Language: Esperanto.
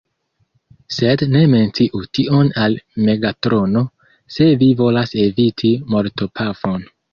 Sed ne menciu tion al Megatrono, se vi volas eviti mortopafon!